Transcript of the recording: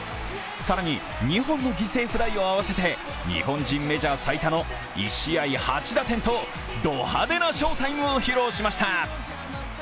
更に２本の犠牲フライを合わせて、日本人メジャー最多の１試合８打点とド派手な翔タイムを披露しました。